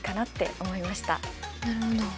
なるほど。